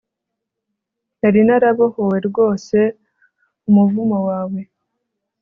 nari narabohowe rwose umuvumo wawe